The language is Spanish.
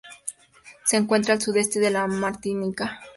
Se encuentra al sudeste de la Martinica.